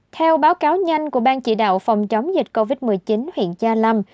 theo báo cáo nhanh của ban chỉ đạo phòng chống dịch covid một mươi chín huyện gia lâm